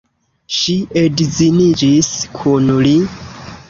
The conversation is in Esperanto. Ŝi edziniĝis kun li.